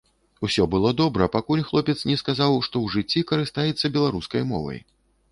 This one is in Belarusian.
Усё было добра, пакуль хлопец не сказаў, што ў жыцці карыстаецца беларускай мовай.